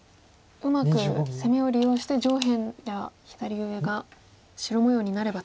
うまく攻めを利用して上辺や左上が白模様になればと。